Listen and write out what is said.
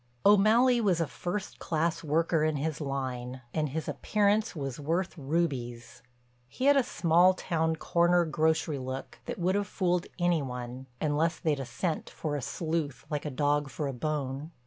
O'Malley was a first class worker in his line, and his appearance was worth rubies. He'd a small town, corner grocery look that would have fooled any one unless they'd a scent for a sleuth like a dog for a bone.